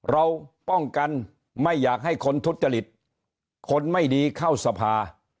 เราป้องกันไม่อยากให้คนทุจริตคนไม่ดีเข้าสภา